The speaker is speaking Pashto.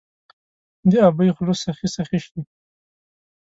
د ابۍ خوله سخي، سخي شي